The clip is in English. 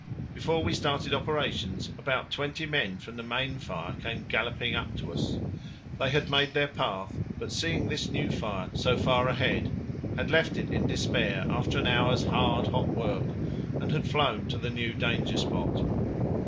Before we started operations about twenty men from the main fire came galloping up to us. They had made their path, but seeing this new fire so far ahead, had left it in despair after an hour's hard hot work, and had flown to the new danger spot.